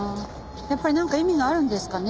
やっぱりなんか意味があるんですかね？